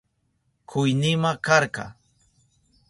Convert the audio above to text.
Kuynima karka.